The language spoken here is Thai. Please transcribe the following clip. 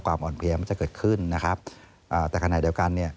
ความอ่อนเพียงมันจะเกิดขึ้นแต่ขณะเดียวกัน